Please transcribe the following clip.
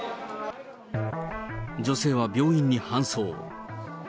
女性は病院に搬送。